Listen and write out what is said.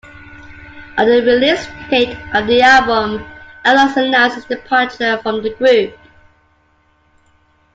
On the release date of the album, Everlast announced his departure from the group.